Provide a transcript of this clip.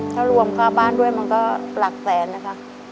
ถ้ารวมค่าบ้านด้วยมันก็หลักแสนนะคะ